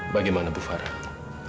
bagaimana bu farah